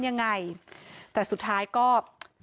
แต่เธอก็ไม่ละความพยายาม